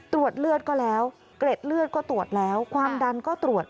ตรวจเลือดก็แล้วเกร็ดเลือดก็ตรวจแล้วความดันก็ตรวจ